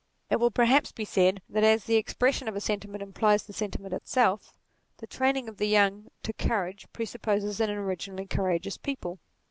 It will perhaps be said, that as the expression 48 NATURE of a sentiment implies the sentiment itself, the train ing of the young to courage presupposes an originally courageous people.